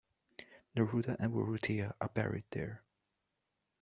Neruda and Urrutia are buried there.